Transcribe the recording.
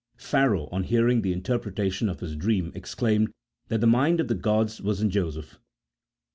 Pharaoh, on hearing the interpreta tion of his dream, exclaimed that the mind of the gods was in Joseph.